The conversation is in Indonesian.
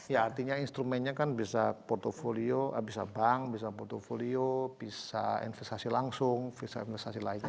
ya artinya instrumennya kan bisa portfolio bisa bank bisa portfolio bisa investasi langsung visa investasi lainnya